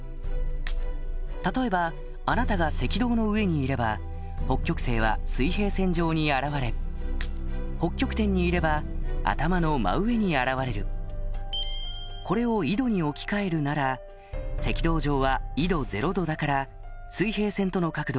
例えばあなたが赤道の上にいれば北極星は水平線上に現れ北極点にいれば頭の真上に現れるこれを緯度に置き換えるなら赤道上は緯度０度だから水平線との角度